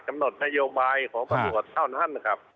กำหนดพยาบาลของประโยชน์เท่านั้นนะครับ